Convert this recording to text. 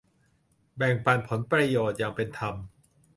แบ่งปันผลประโยชน์อย่างเป็นธรรม